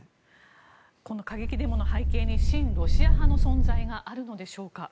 この過激デモの背景に親ロシア派の存在があるのでしょうか。